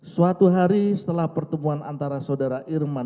suatu hari setelah pertemuan antara saudara irman